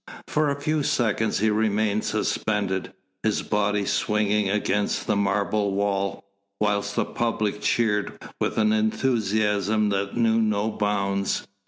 For a few seconds he remained suspended, his body swinging against the marble wall, whilst the public cheered with an enthusiasm that knew no bounds.